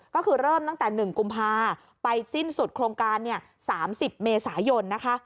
ก็คือเริ่มตั้งแต่๑กุมภาไปสิ้นสุดโครงการ๓๐เมษายนนะคะ